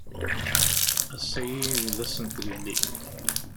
Ass-agi d ass n tlelli.